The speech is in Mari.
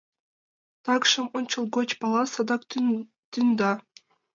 Такшым ончылгоч пала: садак тӱҥда.